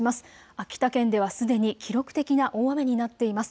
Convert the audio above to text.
秋田県ではすでに記録的な大雨になっています。